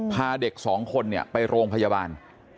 พาเด็กสองคนไปโรงพยาบาล